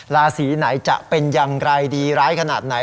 ราศีไหนจะเป็นอย่างไรดีร้ายขนาดไหน